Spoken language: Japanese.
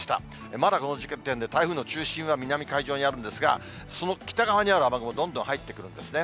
まだこの時点で台風の中心は南海上にあるんですが、その北側にある雨雲、どんどん入ってくるんですね。